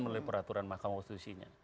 melalui peraturan mahkamah konstitusinya